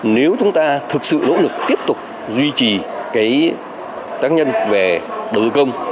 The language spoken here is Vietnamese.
nếu chúng ta thực sự nỗ lực tiếp tục duy trì cái tác nhân về đối công